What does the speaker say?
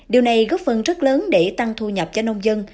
điều này góp phần rất lớn để tăng thu nhập cho nông dân